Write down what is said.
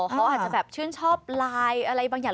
เขาอาจจะแบบชื่นชอบไลน์อะไรบางอย่าง